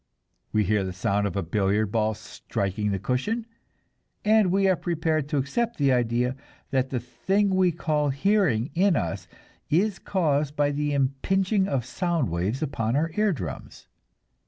We hear the sound of a billiard ball striking the cushion, and we are prepared to accept the idea that the thing we call hearing in us is caused by the impinging of sound waves upon our eardrums.